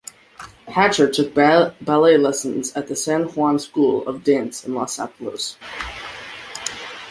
Hatcher took ballet lessons at the San Juan School of Dance in Los Altos.